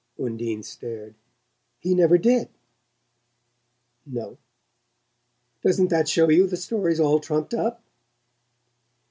Undine stared. "He never did!" "No." "Doesn't that show you the story's all trumped up?"